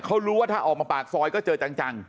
เขารู้ว่าถ้าออกมาปากซอยก็เจอจัง